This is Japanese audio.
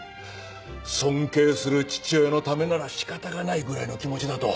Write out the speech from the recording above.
尊敬する父親のためなら仕方がないぐらいの気持ちだと。